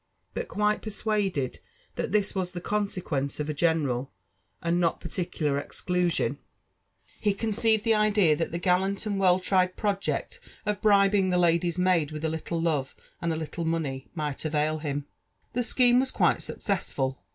But, quite persuaded that this was the consequence of a general, and not particular exclusion, he conceived the idea that 232 LIFE AND ADVENTURES OF the gallant and well tried project of bribing the lady's maid with a liltle loTe and a little money might avail him. The scheme was quite successful.